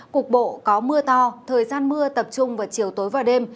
cục bộ có mưa to thời gian mưa tập trung vào chiều tối và đêm